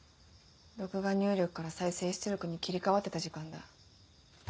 録画入力から再生出力に切り替わってた時間だ。